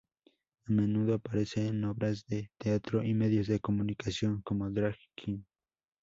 A menudo aparece en obras de teatro y medios de comunicación como drag queen.